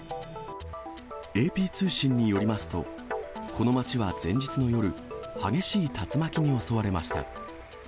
ＡＰ通信によりますと、この街は前日の夜、激しい竜巻に襲われました。